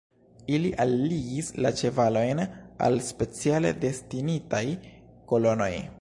Ili alligis la ĉevalojn al speciale destinitaj kolonoj.